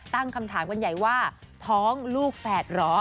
ตั้งคำถามกันใหญ่ว่าท้องลูกแฝดเหรอ